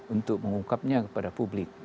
untuk mengungkapnya kepada publik